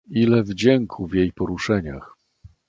"ile wdzięku w jej poruszeniach!"